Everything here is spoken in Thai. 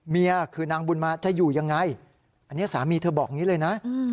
เมียคือนางบุญมาจะอยู่ยังไงอันนี้สามีเธอบอกอย่างนี้เลยนะ